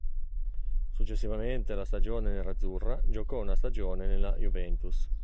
Successivamente alla stagione nerazzurra giocò una stagione nella Juventus.